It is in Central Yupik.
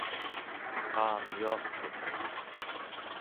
qaamyuartuq